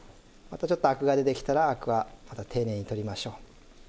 またちょっとアクが出てきたらアクはまた丁寧に取りましょう。